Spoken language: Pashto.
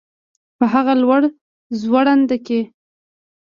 په هغه لوړ ځوړند کي